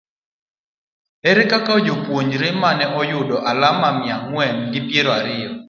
Ere kaka japuonjre ma ne oyudo alama miya ang'wen gi piero ariyo